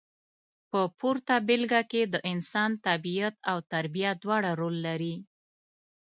په پورته بېلګه کې د انسان طبیعت او تربیه دواړه رول لري.